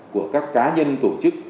của các cá nhân tổ chức